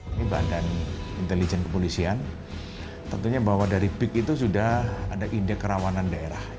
ini badan intelijen kepolisian tentunya bahwa dari big itu sudah ada indeks kerawanan daerah